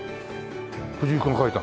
藤井君が書いたの？